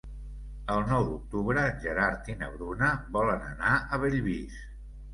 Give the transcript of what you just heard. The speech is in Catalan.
El nou d'octubre en Gerard i na Bruna volen anar a Bellvís.